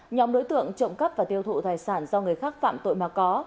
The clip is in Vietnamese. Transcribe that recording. nhóm đối tượng trộm cắp và tiêu thụ tài sản do người khác phạm tội mà có